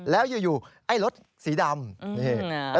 แล้วอยู่ไอ้รถสีดำนี่